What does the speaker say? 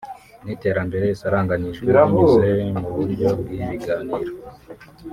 n’iterambere risaranganijwe binyuze mu buryo bw’ibiganiro